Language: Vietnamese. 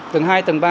tầng hai tầng ba